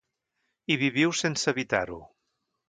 Hi viviu sense evitar-ho.